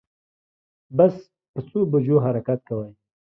بس په څو بجو حرکت کوی